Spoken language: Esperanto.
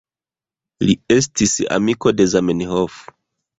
Li estis amiko de Zamenhof.